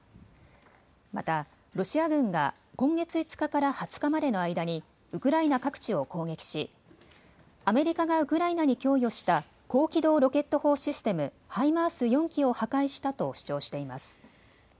またロシア軍が今月５日から２０日までの間にウクライナ各地を攻撃しアメリカがウクライナに供与した高機動ロケット砲システム・ハイマース４基を破壊したと主張しています。